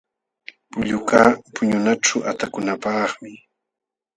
Pullukaq puñunaćhu qatakunapaqmi.